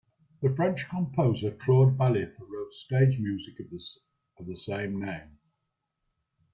French composer Claude Ballif wrote stage music of the same name.